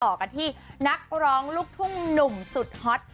ต่อกันที่นักร้องลูกทุ่งหนุ่มสุดฮอต